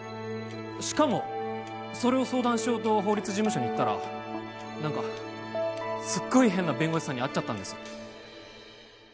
しかもそれを相談しようと法律事務所に行ったら何かすっごい変な弁護士さんに会っちゃったんです